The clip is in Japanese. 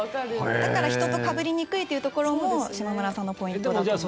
だから人とかぶりにくいというところもしまむらさんのポイントだと思います。